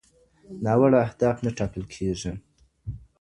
ناوړه اهداف نه ټاکل کېږي.